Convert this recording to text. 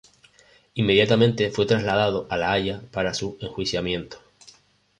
Inmediatamente fue trasladado a La Haya para su enjuiciamiento.